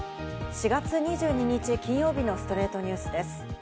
４月２２日、金曜日の『ストレイトニュース』です。